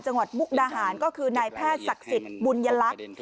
มุกดาหารก็คือนายแพทย์ศักดิ์สิทธิ์บุญยลักษณ์